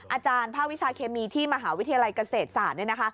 อาจารย์ภาควิชาเคมีที่มหาวิทยาลัยเกษตรศาสตร์